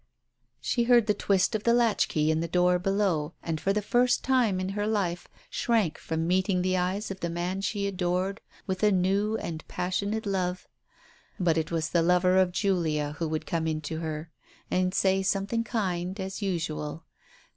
... She heard the twist of the latch key in the door below, and for the first time in her life, shrank from meeting the eyes of the man she adored with a new and passion ate love. But it was the lover of Julia who would come in to her and say something kind, as usual.